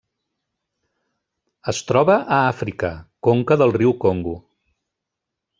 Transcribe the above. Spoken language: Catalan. Es troba a Àfrica: conca del riu Congo.